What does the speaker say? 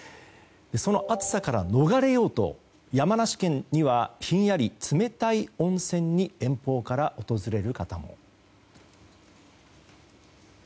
その暑さから逃れようと山梨県にはひんやり冷たい温泉に遠方から訪れる方も。